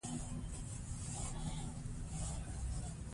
د اسلام سر سخته دښمنان اوس هم د اسلام پر خلاف يو دريځ لري.